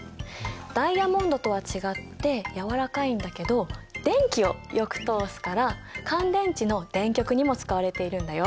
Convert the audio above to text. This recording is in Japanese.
ダイヤモンドとは違ってやわらかいんだけど電気をよく通すから乾電池の電極にも使われているんだよ。